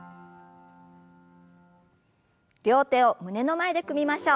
両手を胸の前で組みましょう。